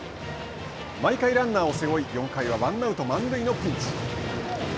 毎回、ランナーを背負い４回はワンアウト、満塁のピンチ。